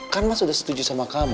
kan mas sudah setuju sama kamu